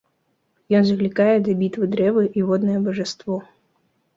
Ён заклікае да бітвы дрэвы і воднае бажаство.